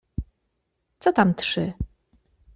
Co tam trzy!